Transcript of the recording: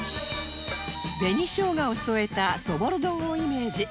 紅しょうがを添えたそぼろ丼をイメージ